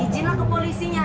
izin lah ke polisinya